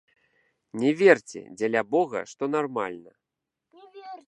Не верце, дзеля бога, што нармальна.